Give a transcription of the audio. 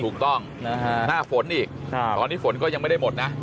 ถูกต้องหน้าฝนอีกตอนนี้ฝนก็ยังไม่ได้หมดนะ